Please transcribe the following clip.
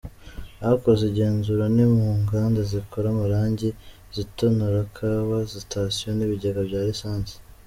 Ahakozwe igenzura ni mu nganda zikora amarangi, izitonora kwawa, sitasiyo n’ibigega bya lisansi.